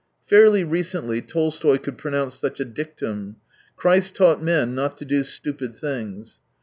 Fairly recently Tolstoy could pronounce such a dictum :" Christ taught men not to do stupid things."